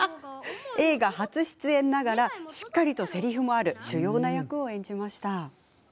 映画初出演ながらしっかりとせりふもある主要な役を演じました。